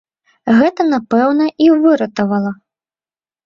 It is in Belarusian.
Гэта, напэўна, і выратавала.